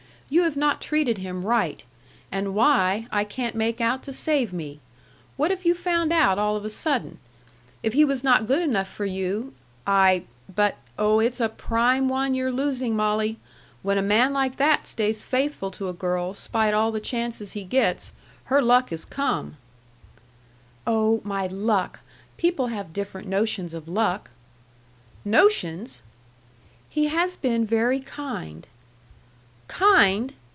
You have not treated him right. And why, I can't make out to save me. What have you found out all of a sudden? If he was not good enough for you, I But, oh, it's a prime one you're losing, Molly. When a man like that stays faithful to a girl 'spite all the chances he gets, her luck is come." "Oh, my luck! People have different notions of luck." "Notions!" "He has been very kind." "Kind!"